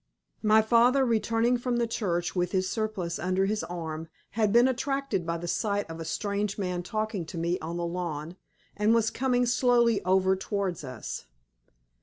My father, returning from the church, with his surplice under his arm, had been attracted by the sight of a strange man talking to me on the lawn, and was coming slowly over towards us.